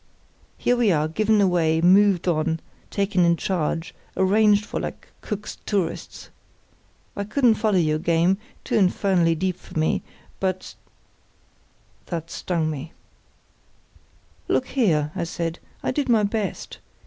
"Here we are, given away, moved on, taken in charge, arranged for like Cook's tourists. I couldn't follow your game—too infernally deep for me, but——" That stung me. "Look here," I said, "I did my best.